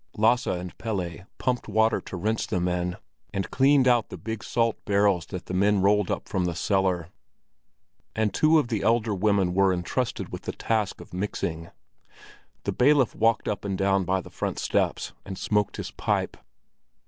Lasse and Pelle pumped water to rinse them in, and cleaned out the big salt barrels that the men rolled up from the cellar; and two of the elder women were entrusted with the task of mixing. The bailiff walked up and down by the front steps and smoked his pipe.